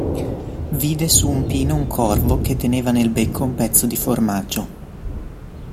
Vide su un pino un corvo che teneva nel becco un pezzo di formaggio.